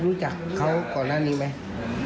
รู้จักเขาก่อนหน้านี้ไหม